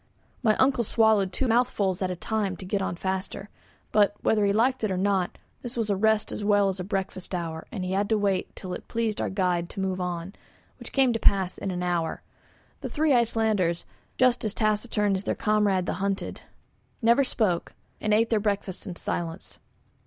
My uncle swallowed two mouthfuls at a time to get on faster. But, whether he liked it or not, this was a rest as well as a breakfast hour and he had to wait till it pleased our guide to move on, which came to pass in an hour. The three Icelanders, just as taciturn as their comrade the hunter, never spoke, and ate their breakfasts in silence.